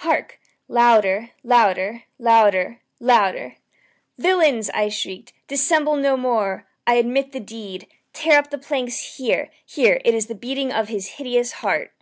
hark! louder! louder! louder! louder! "Villains!" I shrieked, "dissemble no more! I admit the deed! tear up the planks! here, here! It is the beating of his hideous heart!"